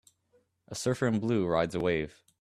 A surfer in blue rides a wave